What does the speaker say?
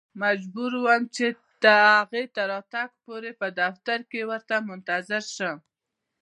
مجبور وم چې د هغې تر راتګ پورې په دفتر کې ورته منتظر شم.